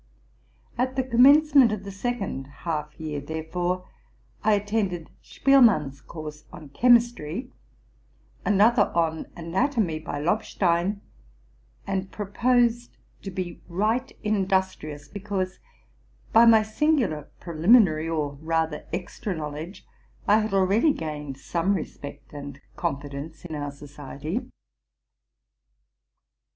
At the commencement of the sec ond half year, therefore, I attended Spielmann's course on chemistry, another on anatomy by Lobstein, and proposed to be right industrious, because, by my singular preliminary or rather extra knowledge, I had already gained some respect and confidence in our society.